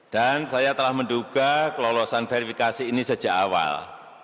dan saya telah menduga kelolosan verifikasi ini sejak awal